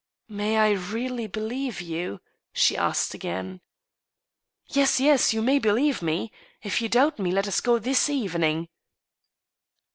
" May I really believe you ?" she asked again. " Yes— yes— you may believe me. If you doubt me, let us go this evening."